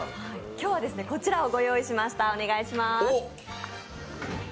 今日はこちらをご用意しました。